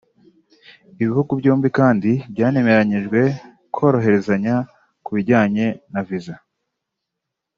Ibihugu byombi kandi byanemeranyijwe koroherezanya ku bijyanye na visa